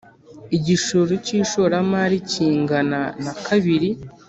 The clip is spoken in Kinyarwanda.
igishoro cy ishoramari kingana na kabiri